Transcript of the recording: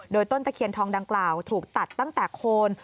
โดยต้นตะเคียนทองดังกล่าวถูกตัดตั้งแต่โคน